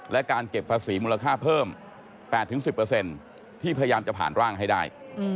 และการเก็บภาษีมูลค่าเพิ่ม๘๑๐ที่พยายามจะผ่านร่างให้ได้